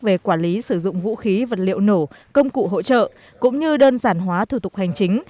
về quản lý sử dụng vũ khí vật liệu nổ công cụ hỗ trợ cũng như đơn giản hóa thủ tục hành chính